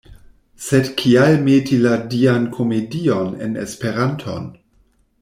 Sed kial meti la Dian Komedion en esperanton?